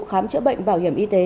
khám chữa bệnh bảo hiểm y tế